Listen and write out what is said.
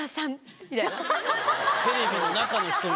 テレビの中の人。